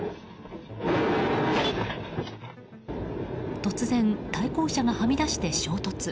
突然、対向車がはみ出して衝突。